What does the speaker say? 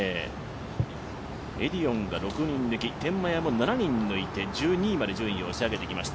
エディオンが６人抜き、天満屋も７人抜いて、１２位まで順位を押し上げてきました。